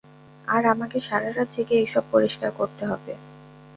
আর আমাকে সারা রাত জেগে এই সব পরিষ্কার করতে হবে।